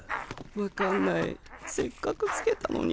分かんないせっかく付けたのに。